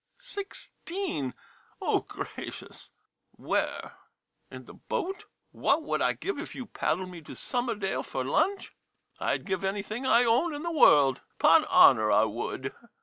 Sixteen? Oh, gracious! !! Where — in the boat? What would I give if you paddled me to Summerdale for lunch ? I 'd give anything I own in the world — 'pon honor, I would!